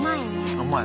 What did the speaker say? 甘い。